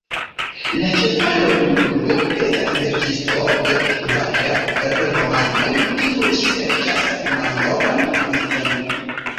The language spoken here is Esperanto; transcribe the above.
La ĉefa rolulo estas verkisto de vaker-romanoj, kiu serĉas malnovan amikon.